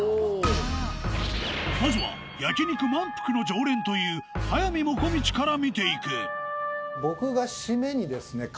まずは焼肉まんぷくの常連という速水もこみちから見ていく僕が。